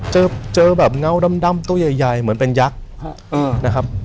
เจอแบบเงาดำตัวใหญ่เหมือนเป็นยักษ์นะครับ